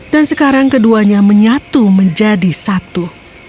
dan sekarang keduanya menyatu menjadi satu